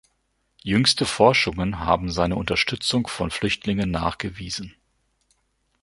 Jüngste Forschungen haben seine Unterstützung von Flüchtlingen nachgewiesen.